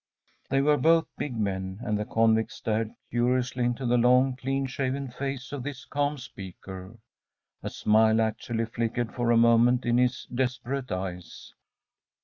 ‚ÄĚ They were both big men, and the convict stared curiously into the long, clean shaven face of this calm speaker. A smile actually flickered for a moment in his desperate eyes.